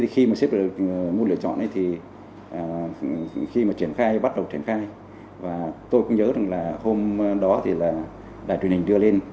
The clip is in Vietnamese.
khi xếp vào môn lựa chọn khi bắt đầu triển khai tôi cũng nhớ hôm đó đài truyền hình đưa lên